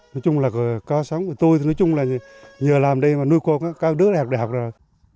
nói chung là có sống của tôi nói chung là nhờ làm đây mà nuôi cô có đứa đẹp đẹp rồi